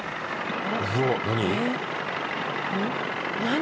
何？